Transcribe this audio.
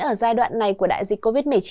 ở giai đoạn này của đại dịch covid một mươi chín